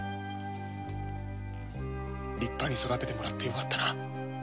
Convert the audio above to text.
立派に育ててもらってよかったな。